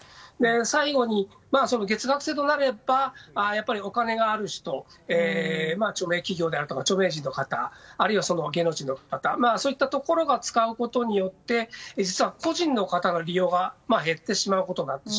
最後に、月額制となればやっぱりお金がある人著名企業であるとか、著名人の方あるいは、芸能人の方が使うことによって実は、個人の方の利用が減ってしまうということになる。